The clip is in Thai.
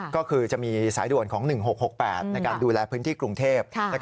ก็คือจะมีสายด่วนของ๑๖๖๘ในการดูแลพื้นที่กรุงเทพ